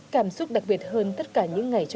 cảm xúc đặc biệt hơn tất cả những ngày trong